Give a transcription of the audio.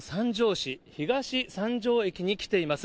市、東三条駅に来ています。